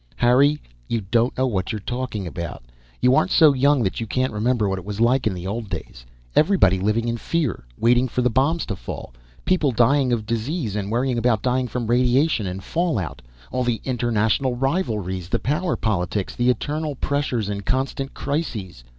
"Harry, you don't know what you're talking about. You aren't so young that you can't remember what it was like in the old days. Everybody living in fear, waiting for the bombs to fall. People dying of disease and worried about dying from radiation and fallout. All the international rivalries, the power politics, the eternal pressures and constant crises.